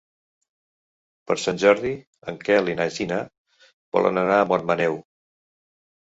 Per Sant Jordi en Quel i na Gina volen anar a Montmaneu.